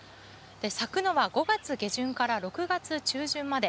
咲くのは５月下旬から６月中旬まで。